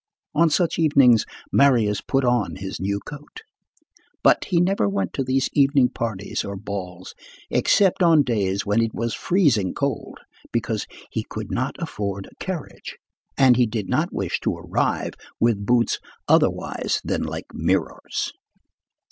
On such evenings, Marius put on his new coat. But he never went to these evening parties or balls except on days when it was freezing cold, because he could not afford a carriage, and he did not wish to arrive with boots otherwise than like mirrors.